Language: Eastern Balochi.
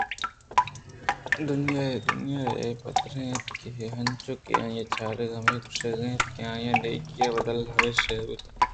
دنتانےپدّر اِت اَنت انچوش کہ آئی ءِچہرگ ہمے گوٛشگءَاَت کہ آئی ءِ نیکی ءِ بدل ہمیش بوت